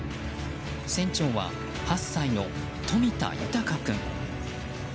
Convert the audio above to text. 船長は８歳の冨田豊君。